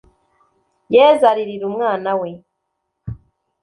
yezu, aririra umwana we